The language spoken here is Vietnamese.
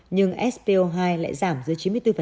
nhưng spo hai lại giảm giữa chín mươi bốn